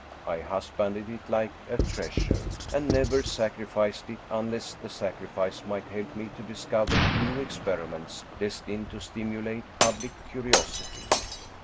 I husbanded it like a treasure, and never sacrificed it, unless the sacrifice might help me to discover new experiments destined to stimulate public curi osity.